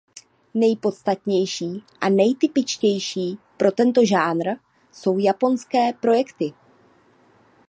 Nejpodstatnější a nejtypičtější pro tento žánr jsou japonské projekty.